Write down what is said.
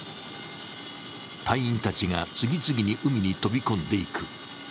隊員たちが次々に海に飛び込んでいく。